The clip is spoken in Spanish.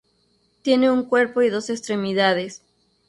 Tiene un cuerpo y dos extremidades.